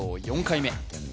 ４回目